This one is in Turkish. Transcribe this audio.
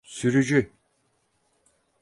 Sürücü…